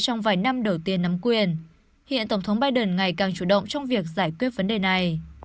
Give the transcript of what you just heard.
trong vài năm đầu tiên nắm quyền hiện tổng thống biden ngày càng chủ động trong việc giải quyết vấn đề này